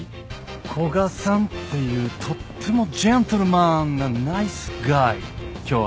古賀さんっていうとってもジェントルマンなナイスガイ今日会ったよ。